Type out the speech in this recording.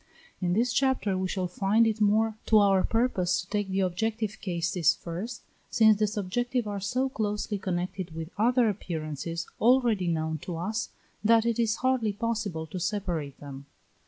In this chapter we shall find it more to our purpose to take the objective cases first, since the subjective are so closely connected with other appearances already known to us, that it is hardly possible to separate them.